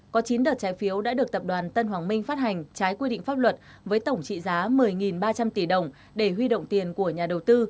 có chín đợt trái phiếu đã được tập đoàn tân hoàng minh phát hành trái quy định pháp luật với tổng trị giá một mươi ba trăm linh tỷ đồng để huy động tiền của nhà đầu tư